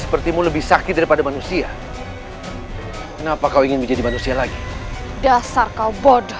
sepertimu lebih sakit daripada manusia kenapa kau ingin menjadi manusia lagi dasar kau bodoh